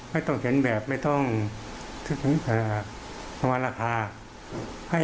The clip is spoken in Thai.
ไม่ต้องเห็นแบบไม่ต้องถึงประมาณราคา